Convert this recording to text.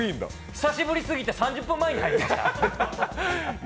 久しぶりすぎて３０分前に入りました。